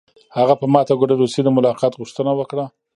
هغه په ماته ګوډه روسي د ملاقات غوښتنه وکړه